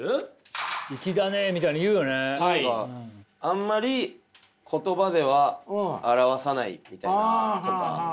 あんまり言葉では表さないみたいなとか。